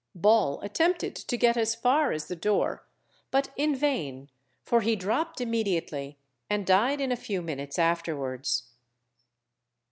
Ball attempted to get as far as the door, but in vain, for he dropped immediately, and died in a few minutes afterwards.